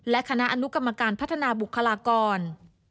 และคณะอนุกรรมการพัฒนาบุคลากร